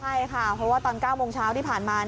ใช่ค่ะเพราะว่าตอน๙โมงเช้าที่ผ่านมา